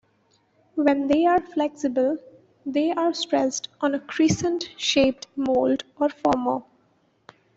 When they are flexible they are stressed on a crescent shaped mold or former.